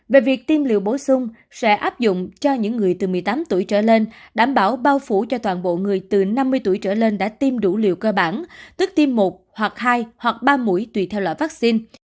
về việc tiêm liều bổ sung sẽ áp dụng cho những người từ một mươi tám tuổi trở lên đảm bảo bao phủ cho toàn bộ người từ năm mươi tuổi trở lên đã tiêm đủ liều cơ bản tức tim một hoặc hai hoặc ba mũi tùy theo loại vaccine